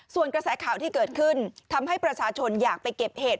ส่วนกระแสข่าวที่เกิดขึ้นทำให้ประชาชนอยากไปเก็บเห็ด